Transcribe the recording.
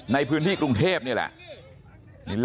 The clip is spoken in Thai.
ในพื้นที่กรุงเทพเห็นกันยันเช้าเลยเหรอ